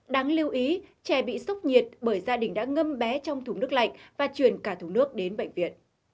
đáng lưu ý trẻ bị sốc nhiệt bởi gia đình đã ngâm bé trong thùng nước lạnh và chuyển cả thùng nước đến bệnh viện